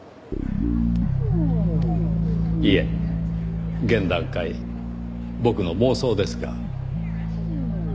いえ現段階僕の妄想ですが。